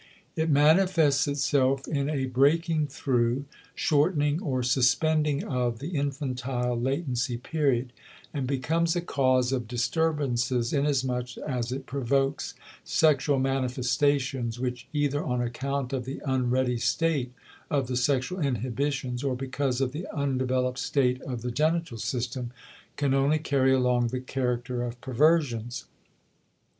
It manifests itself in a breaking through, shortening, or suspending of the infantile latency period and becomes a cause of disturbances inasmuch as it provokes sexual manifestations which, either on account of the unready state of the sexual inhibitions or because of the undeveloped state of the genital system, can only carry along the character of perversions.